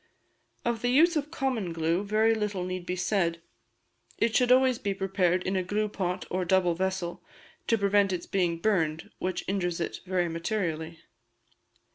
Of the use of common glue very little need be said; it should always be prepared in a gluepot or double vessel, to prevent its being burned, which injures it very materially.